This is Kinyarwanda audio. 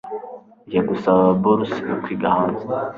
Ngiye gusaba buruse yo kwiga hanze.